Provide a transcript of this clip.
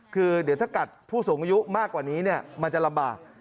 คือเดี๋ยวถ้ากัดผู้สูงอายุมากกว่านี้มันจะลำบาก